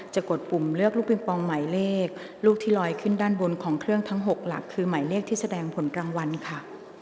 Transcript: กดปุ่มเลือกลูกปิงปองหมายเลขลูกที่ลอยขึ้นด้านบนของเครื่องทั้ง๖หลักคือหมายเลขที่แสดงผลกลางวันค่ะ